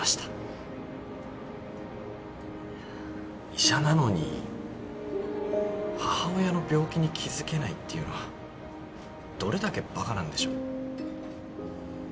医者なのに母親の病気に気付けないっていうのはどれだけバカなんでしょう。